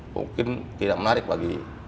mungkin tidak menarik bagi